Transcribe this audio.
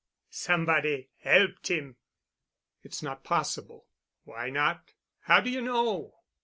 "Somebody helped him——" "It's not possible." "Why not? How do ye know?